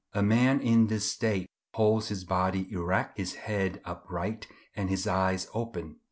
A man in this state holds his body erect, his head upright, and his eyes open.